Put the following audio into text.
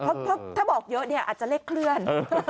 เพราะถ้าบอกเยอะเนี่ยอาจจะเลขเคลื่อน